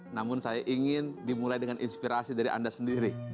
namun saya ingin dimulai dengan inspirasi dari anda sendiri